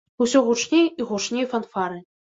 Усё гучней і гучней фанфары.